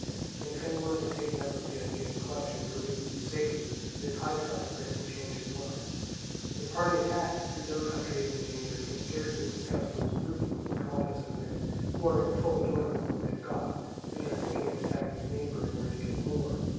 And if any one has taken up with the idea in question for reasons of safety, it is high time for him to change his mind. The party attacked, whose own country is in danger, can scarcely discuss what is prudent with the calmness of men who are in full enjoyment of what they have got, and are thinking of attacking a neighbour in order to get more.